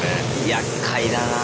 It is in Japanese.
やっかいだなぁ。